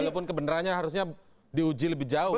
walaupun kebenarannya harusnya di uji lebih jauh ya